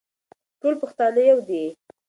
ټول پښتانه يو دي.